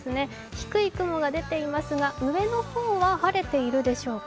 低い雲が出ていますが、上の方は晴れているでしょうか。